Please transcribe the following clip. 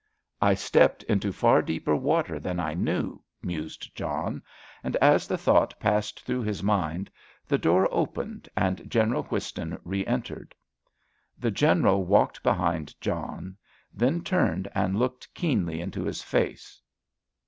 "I stepped into far deeper water than I knew," mused John, and as the thought passed through his mind, the door opened and General Whiston re entered. The General walked behind John, then turned and looked keenly into his face.